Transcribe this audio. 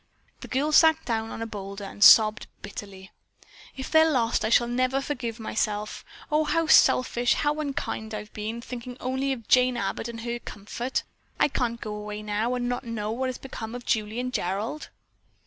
The girl sank down on a boulder and sobbed bitterly. "If they're lost I shall never forgive myself. Oh, how selfish, how unkind I have been, thinking only of Jane Abbott and her comfort. I can't go away now, and not know what has become of Julie and Gerald."